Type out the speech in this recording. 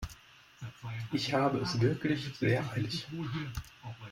Ich habe es wirklich sehr eilig.